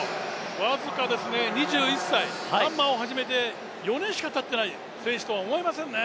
僅か２１歳、ハンマーを始めて４年しかたっていない選手とは思えませんね。